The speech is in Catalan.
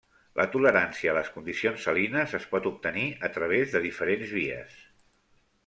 La tolerància a les condicions salines es pot obtenir a través de diferents vies.